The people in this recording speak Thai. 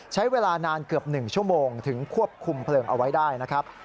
ใช้เวลานานเกือบ๑ชั่วโมงถึงควบคุมเพลิงเอาไว้ได้นะครับ